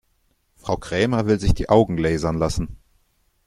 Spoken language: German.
Frau Krämer will sich die Augen lasern lassen.